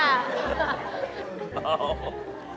อ้าว